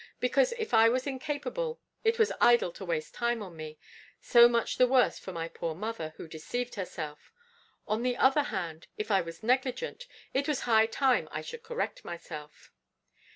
Because if I was incapable, it was idle to waste time on me so much the worse for my poor mother, who deceived herself! On the other hand, if I was negligent, it was high time I should correct myself.